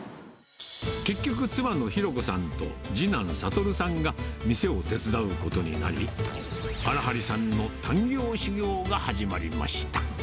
結局妻の弘子さんと次男、悟さんが店を手伝うことになり、荒張さんのタンギョー修業が始まりました。